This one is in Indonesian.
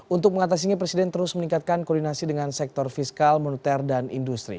untuk mengatasinya presiden terus meningkatkan koordinasi dengan sektor fiskal moneter dan industri